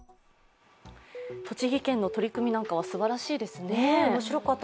栃木県の取り組みなんかはすばらしいですね。